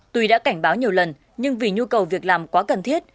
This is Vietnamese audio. tuy đã cảnh báo nhiều lần nhưng vì nhu cầu việc làm quá cần thiết